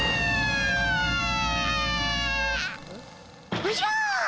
おじゃ！